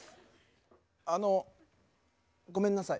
あのごめんなさい。